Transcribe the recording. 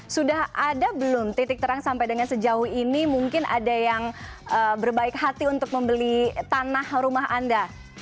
sudah ada belum titik terang sampai dengan sejauh ini mungkin ada yang berbaik hati untuk membeli tanah rumah anda